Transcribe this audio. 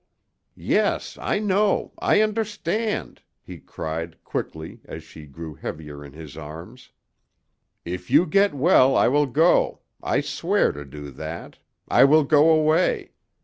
"Yes, I know I understand," he cried, quickly, as she grew heavier in his arms. "If you get well I will go. I swear to do that. I will go away.